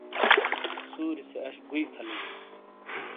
سوری سے اش گوئی کھہ لی